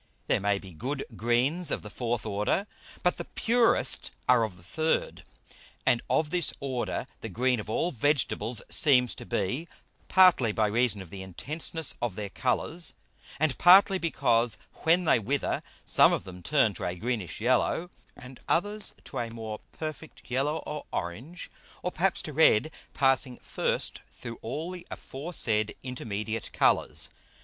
There may be good Greens of the fourth Order, but the purest are of the third. And of this Order the green of all Vegetables seems to be, partly by reason of the Intenseness of their Colours, and partly because when they wither some of them turn to a greenish yellow, and others to a more perfect yellow or orange, or perhaps to red, passing first through all the aforesaid intermediate Colours.